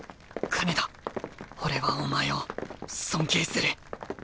金田俺はお前を尊敬する。